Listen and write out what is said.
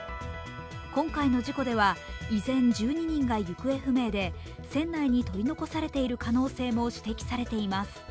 今回の事故では依然１２人が行方不明で船内に取り残されている可能性も指摘されています。